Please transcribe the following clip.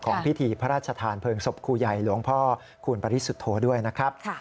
พิธีพระราชทานเพลิงศพครูใหญ่หลวงพ่อคูณปริสุทธโธด้วยนะครับ